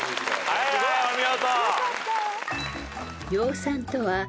はいはいお見事。